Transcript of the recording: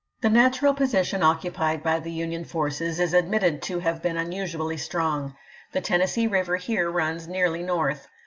The natural position occupied by the Union forces is admitted to have been unusually strong. The Tennessee River here runs nearly north.